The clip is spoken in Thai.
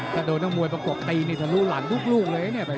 ถ้าโดนทั้งมวยประกบตีเนี่ยจะรู้หลั่นลูกเลยเนี่ย